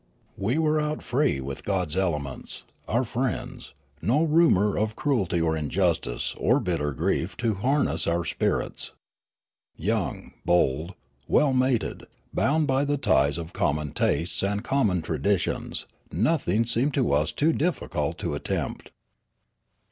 We were out free with God's elements, our friends ; no rumour of cruelty or injustice or bitter grief to harass our spirits. Young, bold, well mated, bound by the ties of common tastes and common traditions, nothing seemed to us too difficult to attempt.